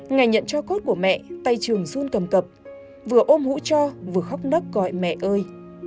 ngày nhận cho cốt của mẹ tay trường dun cầm cập vừa ôm hũ cho vừa khóc nấc gọi mẹ ơi